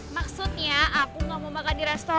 dan menjaga keamanan bapak reno